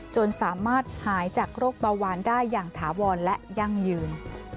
จนสามารถหายจากโรคเบาหวานได้อย่างถาวรและยั่งยืน